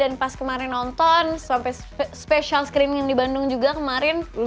dan pas kemarin nonton sampai special screening di bandung juga kemarin